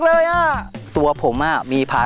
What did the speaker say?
เพื่อจะไปชิงรางวัลเงินล้าน